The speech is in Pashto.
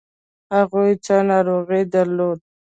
هغوی څه ناروغي درلوده؟